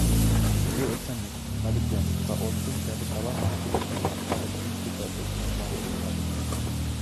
Bu esa mis, molibden va oltin kabi tovar mahsulotlari chiqarilishini koʻpaytirish imkonini beradi.